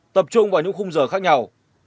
tập trung vào những khung giờ khác nhau